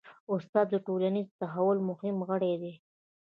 استاد د ټولنیز تحول مهم غړی دی.